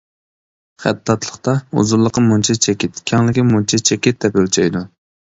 خەتتاتلىقتا ئۇزۇنلۇقى مۇنچە چېكىت، كەڭلىكى مۇنچە چېكىت دەپ ئۆلچەيدۇ.